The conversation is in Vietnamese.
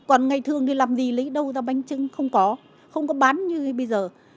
còn ngày thường thì làm gì lấy đâu ra bánh trưng không có không có bán như bây giờ